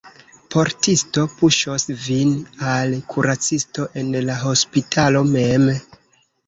Portisto puŝos vin al kuracisto en la hospitalo mem!